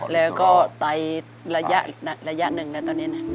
แล้วก็ไตรอย่างหนึ่ง